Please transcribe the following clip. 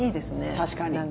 確かに。